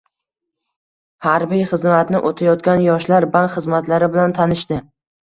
Harbiy xizmatni o‘tayotgan yoshlar bank xizmatlari bilan tanishdi